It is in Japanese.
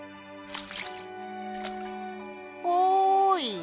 おい！